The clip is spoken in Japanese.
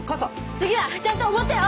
次はちゃんとおごってよ。